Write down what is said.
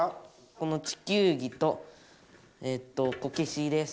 この地球儀とこけしです。